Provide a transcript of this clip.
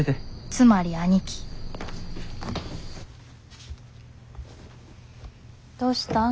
つまり兄貴どうしたん？